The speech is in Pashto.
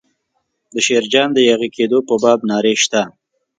د شیرجان د یاغي کېدو په باب نارې شته.